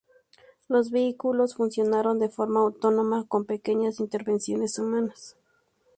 Los vehículos funcionaron de forma autónoma con pequeñas intervenciones humanas.